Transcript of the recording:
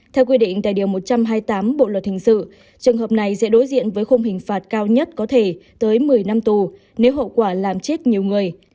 theo quy định tại điều một trăm hai mươi tám bộ luật hình sự trường hợp này sẽ đối diện với khung hình phạt cao nhất có thể tới một mươi năm tù nếu hậu quả làm chết nhiều người